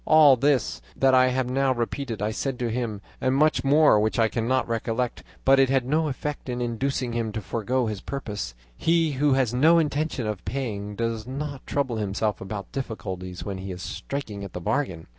"All this that I have now repeated I said to him, and much more which I cannot recollect; but it had no effect in inducing him to forego his purpose; he who has no intention of paying does not trouble himself about difficulties when he is striking the bargain.